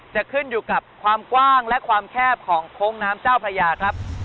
จะขึ้นอยู่กับความกว้างและความแคบของโค้งน้ำเจ้าพระยาครับ